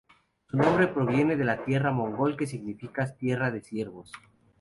Su nombre proviene del mongol que significa "tierra de ciervos".